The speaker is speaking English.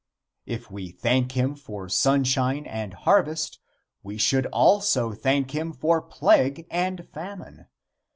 If we thank him for sunshine and harvest we should also thank him for plague and famine.